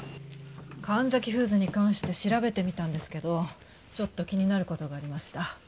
神崎フーズに関して調べてみたんですけどちょっと気になる事がありました。